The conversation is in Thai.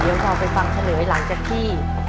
เดี๋ยวเราไปฟังเฉลยหลังจากที่